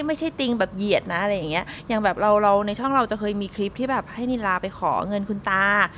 ติงแบบเหยียดนะอะไรอย่างเงี้ยอย่างแบบเราเราในช่องเราจะเคยมีคลิปที่แบบให้นิลาไปขอเงินคุณตา